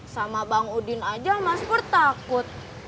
sama bang udin aja mas kur takut